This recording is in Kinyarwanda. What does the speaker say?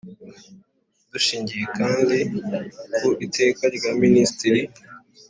Dushingiye kandi ku iteka rya Minisitiri